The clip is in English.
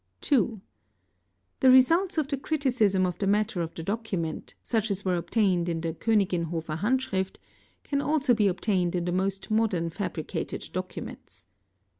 2. The results of the criticism of the matter of the document, such as were obtained in the Keniginhofer Handschrift, can also be obtained in the most modern fabricated documents.